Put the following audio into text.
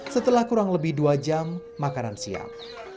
setelah kurang lebih dua jam makanan siap